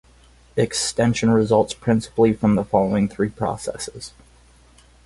Extension results principally from the following three processes.